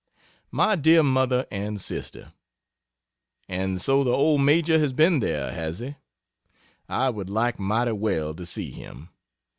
MY DEAR MOTHER AND SISTER, And so the old Major has been there, has he? I would like mighty well to see him.